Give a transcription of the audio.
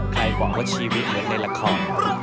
หวังว่าชีวิตเหมือนในละคร